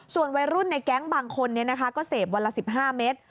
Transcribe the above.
ส่วนวัยรุ่นในแก๊งบางคนก็เสพวันละ๑๕เมตร